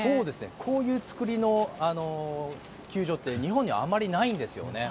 こういう造りの球場って日本には、あまりないんですね。